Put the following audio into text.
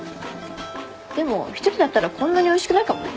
でも１人だったらこんなにおいしくないかもね。